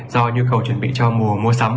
do nhu cầu chuẩn bị cho mùa mua sắm